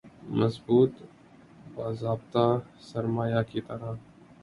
مضبوط باضابطہ سرمایہ کی طرح